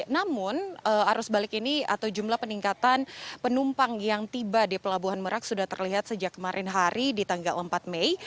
namun arus balik ini atau jumlah peningkatan penumpang yang tiba di pelabuhan merak sudah terlihat sejak kemarin hari di tanggal empat mei